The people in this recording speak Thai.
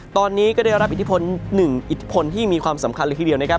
ตอนนี้ก็ได้รับอิทธิพล๑อิทธิพลที่มีความสำคัญเลยทีเดียวนะครับ